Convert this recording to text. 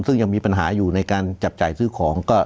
ซึ่งยังมีปัญหาอยู่ในการจับจ่ายซื้อของ